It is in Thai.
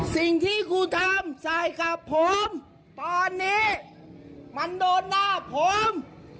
สิ่งที่กูทำใส่กับผมตอนนี้มันโดนหน้าผม